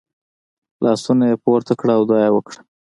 لاسونه یې پورته کړه او دعا یې وکړه .